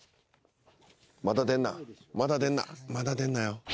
まだ出んなまだ出んなまだ出んなよ。